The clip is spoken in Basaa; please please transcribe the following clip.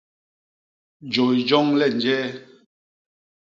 Jôy joñ le njee?